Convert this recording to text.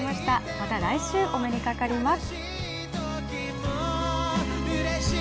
また来週、お目にかかります。